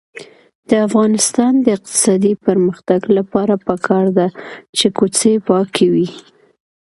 د افغانستان د اقتصادي پرمختګ لپاره پکار ده چې کوڅې پاکې وي.